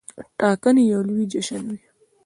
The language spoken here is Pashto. ټاکنې یو لوی جشن وي.